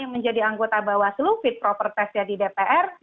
lima yang menjadi anggota bawah seluruh fit proper test ya di dpr